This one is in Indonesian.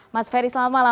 mas ferry selamat malam